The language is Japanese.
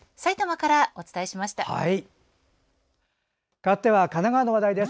かわっては神奈川の話題です。